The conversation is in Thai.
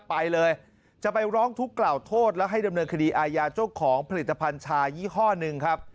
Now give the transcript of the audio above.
ไปเลยจะไปร้องทุกข์กล่าวโทษแล้วให้ดำเนินคดีอาญาเจ้าของผลิตภัณฑ์ชายี่ห้อหนึ่งครับ